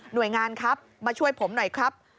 โดยงานครับมาช่วยผมหน่อยครับ